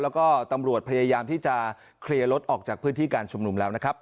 แล้วก็ตำรวจพยายามที่จะเคลียร์รถออกจากพื้นที่การชุมนุมแล้วนะครับ